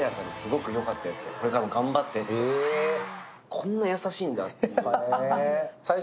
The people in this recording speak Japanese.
こんな優しいんだっていう。